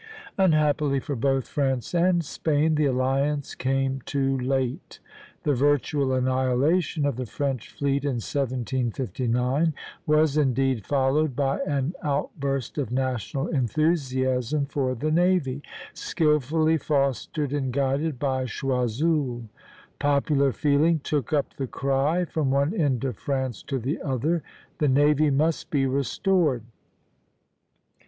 Unhappily for both France and Spain, the alliance came too late. The virtual annihilation of the French fleet in 1759 was indeed followed by an outburst of national enthusiasm for the navy, skilfully fostered and guided by Choiseul. "Popular feeling took up the cry, from one end of France to the other, 'The navy must be restored.'